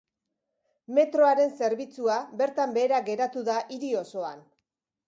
Metroaren zerbitzua bertan behera geratu da hiri osoan.